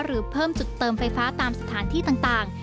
หรือเพิ่มจุดเติมไฟฟ้าตามสถานที่ต่าง